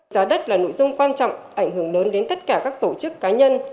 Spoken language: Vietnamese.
giá đất là nội dung quan trọng ảnh hưởng lớn đến tất cả các tổ chức cá nhân